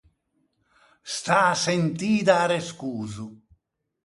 Stâ à sentî d’arrescoso.